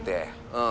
うん。